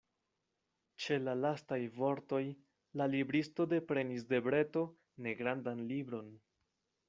Ĉe la lastaj vortoj la libristo deprenis de breto negrandan libron.